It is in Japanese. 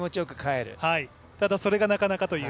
ただ、それがなかなかという。